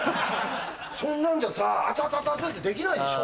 そんなんじゃさぁ熱熱！ってできないでしょ。